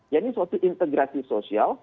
ini suatu integrasi sosial